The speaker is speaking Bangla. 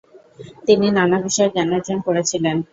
তিনি নানা বিষয়ে জ্ঞানার্জন করেছিলেন।